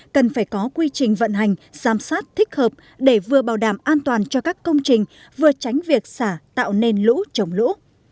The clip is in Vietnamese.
cần phải có quy trình vận hành giám sát thích hợp để vừa bảo đảm an toàn cho các công trình vừa tránh việc xả tạo nên lũ trồng lũ